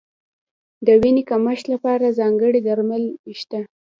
د وینې کمښت لپاره ځانګړي درمل شته.